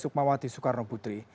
yang dikenal sebagai soekarno putri